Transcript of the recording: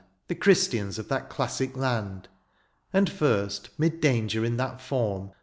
The Christians of that dassic land. And first, 'mid danger in that form.